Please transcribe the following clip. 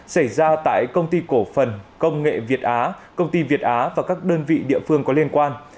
xảy ra tại công ty cổ phần công nghệ việt á công ty việt á và các đơn vị địa phương có liên quan